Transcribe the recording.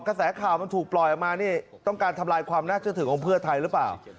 กระแสข่าวมันถูกปล่อยออกมานี่ต้องการทำลายความน่าเชื่อถือของเพื่อไทยหรือเปล่า